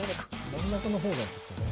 真ん中の方がちょっとね。